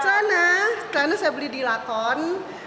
celana celana saya beli di laton dua ratus dua puluh